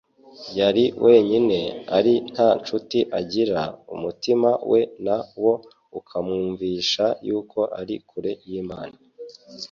Yari wenyine, ari nta nshuti agira, umutima we na wo ukamwumvisha yuko ari kure y'Imana;